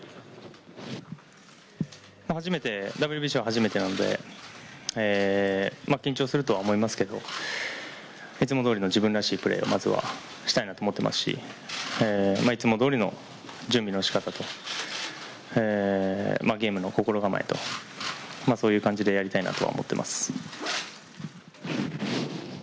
ＷＢＣは初めてなので緊張するとは思いますけどいつもどおりの自分らしいプレーをまずはしたいなと思っていますし、いつもどおりの準備のしかたとゲームの心構えとそういう感じでやりたいなと思っています。